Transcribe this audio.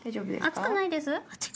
熱くないですよ。